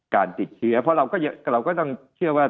การติดเชื้อเพราะเราก็ต้องเชื่อว่า